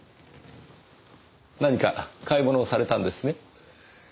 何か買い物をされたんですね？